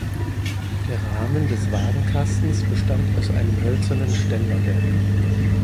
Der Rahmen des Wagenkastens bestand aus einem hölzernen Ständerwerk.